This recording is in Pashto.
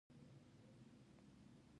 توپک له مینې سره مقابله کوي.